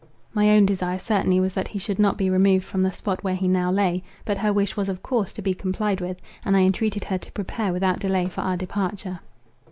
My own desire certainly was that he should not be removed from the spot where he now lay. But her wish was of course to be complied with; and I entreated her to prepare without delay for our departure.